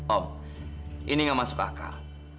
om ini tidak masuk akal